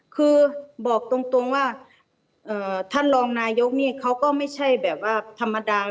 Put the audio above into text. คือบอกตรงว่าท่านรองนายกนี่เขาก็ไม่ใช่แบบว่าธรรมดา